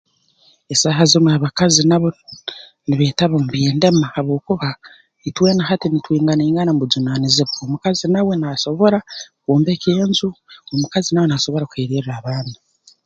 Esaaha zinu abakazi nabo nibeetaba omu by'endema habwokuba itwena hati ntwinga ingana mu bujunaanizibwa omukazi nawe naasobora kwombeka enju omukazi nawe naasobora kuheererra abaana